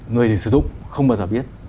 người gì sử dụng không bao giờ biết